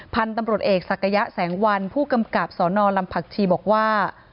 พันธุ์ตำรวจเอกศักยะแสงวันผู้กำกับสนลำผักชีบอกว่า